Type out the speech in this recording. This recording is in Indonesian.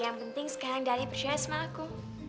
yang penting sekarang ayah percaya sama aku